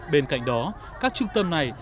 bên cạnh đó các trung tâm này